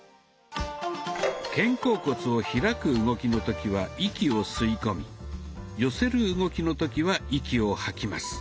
肩甲骨を開く動きの時は息を吸い込み寄せる動きの時は息を吐きます。